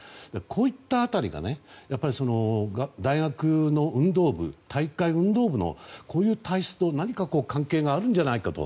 こういった辺りが大学の運動部体育会運動部のこういう体質と何か関係があるんじゃないかと。